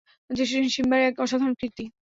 দৃষ্টিহীন সিম্বার এক অসাধারণ কীর্তি!